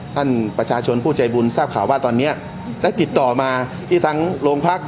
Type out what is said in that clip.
ท่านประชาชนผู้ใจบุญทราบข่าวว่าตอนนี้ได้ติดต่อมาที่ทั้งโรงพัก